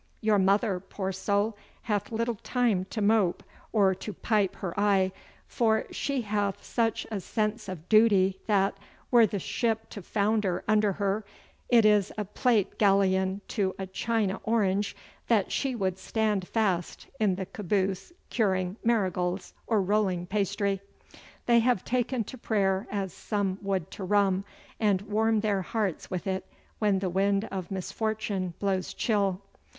Your mother, poor soul, hath little time to mope or to pipe her eye, for she hath such a sense of duty that, were the ship to founder under her, it is a plate galleon to a china orange that she would stand fast in the caboose curing marigolds or rolling pastry. They have taken to prayer as some would to rum, and warm their hearts with it when the wind of misfortune blows chill.